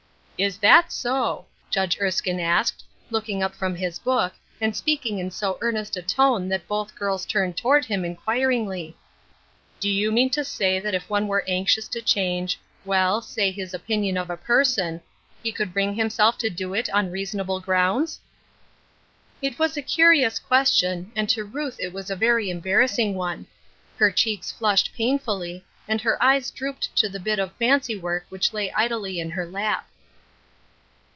" Is that so !" Judge Erskine asked, looking up from his book, and speaking in so earnest a tone that both girls turned toward him inquir ingly. " Do you mean to say that if one were anxious to change — well, say his opinion of a person, he could bring himself to do it on reason able grounds ?" It was a curious question, and to Ruth it was a very embarrassing one. Her cheeks flushed painfully, and her eyes drooped to the bit of fancy work which lay idly in her lap.